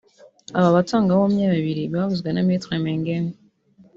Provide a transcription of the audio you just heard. Aba batangabuhamya babiri bavuzwe na Me Maingain